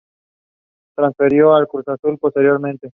Transferido al Cruz Azul posteriormente.